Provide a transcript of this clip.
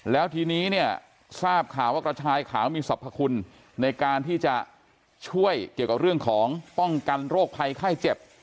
แล้วทีนี้เนี่ยทราบข่าวว่ากระชายขาวมีสรรพคุณในการที่จะช่วยเกี่ยวกับเรื่องของป้องกันโรคภัยไข้เจ็บ